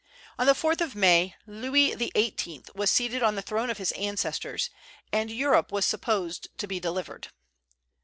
On the 4th of May Louis XVIII. was seated on the throne of his ancestors, and Europe was supposed to be delivered.